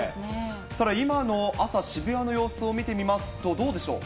ただ、今の朝、渋谷の様子を見てみますと、どうでしょう？